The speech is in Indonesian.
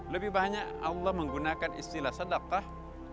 lebih banyak allah menggunakan istilah sedakah